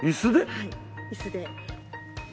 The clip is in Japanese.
はい椅子で。